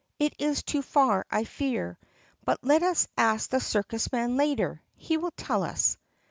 It is too far, I fear. But let us ask the circus man later. He will tell us."